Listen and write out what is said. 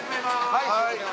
はい。